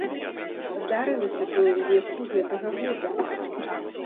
Здарылася тое ўлетку гэтага года.